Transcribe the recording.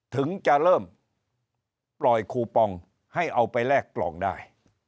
ถึงจะเริ่มปล่อยคูปองให้เอาไปแลกปล่องได้